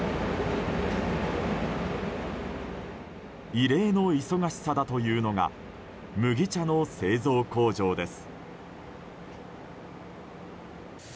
異例の忙しさだというのが麦茶の製造工場です。